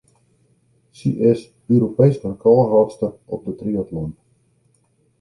Sy is Europeesk rekôrhâldster op de triatlon.